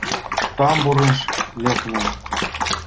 Ну, тамбурыш лекна.